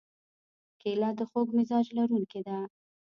کېله د خوږ مزاج لرونکې ده.